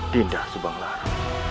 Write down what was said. dinda subang lara